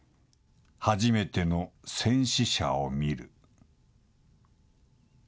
初めての戦死者を見る。